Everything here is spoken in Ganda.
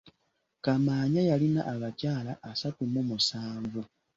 Kamaanya yalina abakyala asatu mu musanvu.